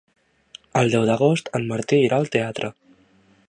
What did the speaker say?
El deu d'agost en Martí irà al teatre.